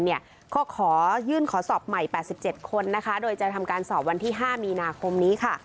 ก็ขอยื่นขอสอบใหม่๘๗คนนะคะโดยจะทำการสอบวันที่๕มีนาคมนี้ค่ะ